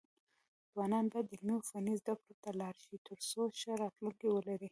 ځوانان بايد علمي او فني زده کړو ته لاړ شي، ترڅو ښه راتلونکی ولري.